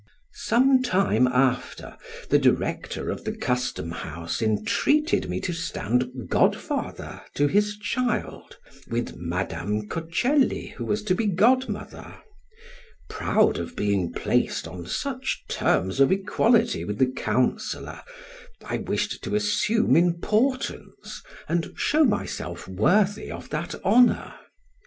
Some time after, the director of the custom house entreated me to stand godfather to his child, with Madam Coccelli, who was to be godmother: proud of being placed on such terms of equality with the counsellor, I wished to assume importance, and show myself worthy of that honor.